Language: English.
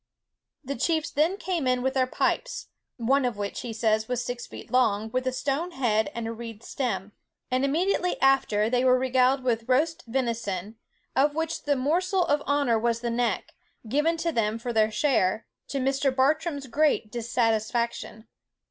The chiefs then came in with their pipes, (one of which, he says, was six feet long, with a stone head and a reed stem;) and immediately after they were regaled with roast venison, of which the morsel of honour was the neck, given to them for their share, to Mr. Bartram's great dissatisfaction.